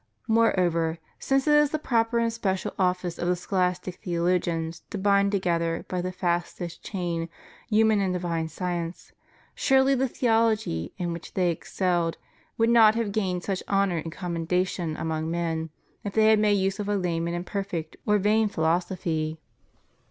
Moreover, since it is the proper and special office of the scholastic theologians to bind together by the fastest chain human and divine science, surely the theology in which they excelled would not have gained such honor and commendation among men if they had made use of a lame and imperfect or vain phi losophy.